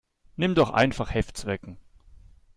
Nimm doch einfach Heftzwecken.